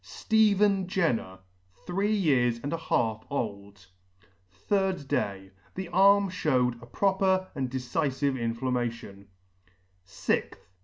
STEPHEN JENNER, three years and a half old. 3d day. The arm fhewed a proper and decifive inflammation. 6th.